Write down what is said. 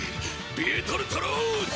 ビートルトルーズ！